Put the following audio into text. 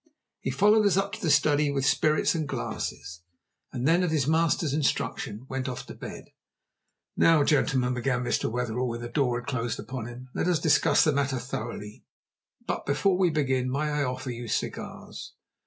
He followed us up to the study with spirits and glasses, and then at his master's instruction went off to bed. "Now, gentlemen," began Mr. Wetherell, when the door had closed upon him, "let us discuss the matter thoroughly. But, before we begin, may I offer you cigars?"